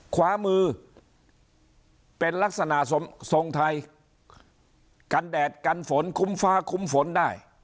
ขวามือเป็นลักษณะทรงไทยกันแดดกันฝนคุ้มฟ้าคุ้มฝนได้